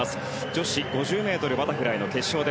女子５０ｍバタフライの決勝。